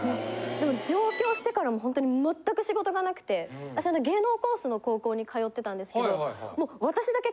でも上京してからもほんとに全く仕事が無くてその時芸能コースの高校に通ってたんですけど。